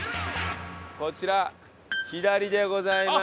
こちら左でございます。